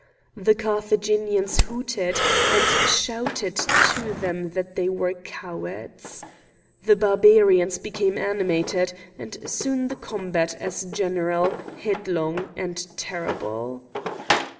The Carthaginians hooted, and shouted to them that they were cowards. The Barbarians became animated, and soon the combat as general, headlong, and terrible.